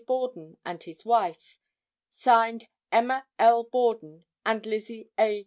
Borden and his wife. Signed, Emma L. Borden and Lizzie A.